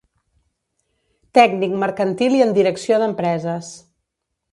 Tècnic Mercantil i en Direcció d'Empreses.